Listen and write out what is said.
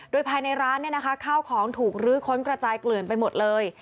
โดยภายในร้านข้าวของถูกลื้อค้นกระจายเกลื่อนไปหมดเลย